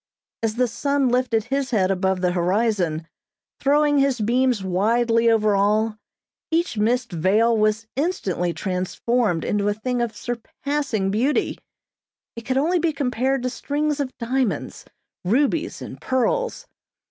As the sun lifted his head above the horizon, throwing his beams widely over all, each mist veil was instantly transformed into a thing of surpassing beauty. It could only be compared to strings of diamonds, rubies and pearls.